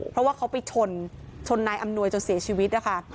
เพราะว่าเขาไปชนชนนายอำนวยจนเสียชีวิตนะคะ